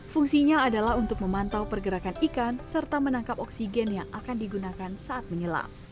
fungsinya adalah untuk memantau pergerakan ikan serta menangkap oksigen yang akan digunakan saat menyelam